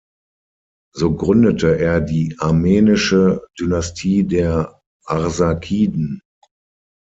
So gründete er die armenische Dynastie der Arsakiden.